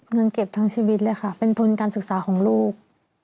เงินเก็บทั้งชีวิตเลยค่ะเป็นทุนการศึกษาของลูก